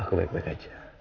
aku balik balik aja